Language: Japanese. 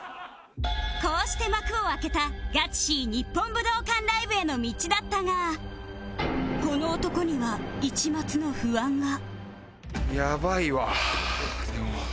こうして幕を開けた ＧＡＣＨＩＳＥＡ 日本武道館ライブへの道だったがこの男には一抹の不安が